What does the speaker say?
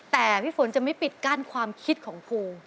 แต่พี่ฝนจะไม่ปิดกั้นความคิดของภู